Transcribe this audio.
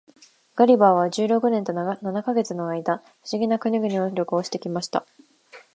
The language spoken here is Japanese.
ガリバーは十六年と七ヵ月の間、不思議な国々を旅行して来ました。